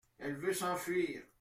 Elle veut s’enfuir.